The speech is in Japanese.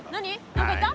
何か言った？